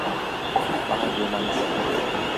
Fabio Mancini